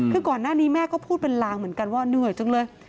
คือก่อนหน้านี้แม่ก็พูดเป็นลางเหมือนกันว่าเหนื่อยจังเลย